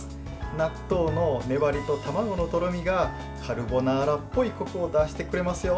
納豆の粘りと卵のとろみがカルボナーラっぽいコクを出してくれますよ。